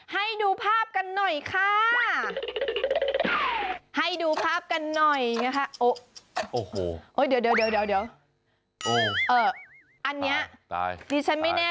ให้ดูภาพกันหน่อยค่ะ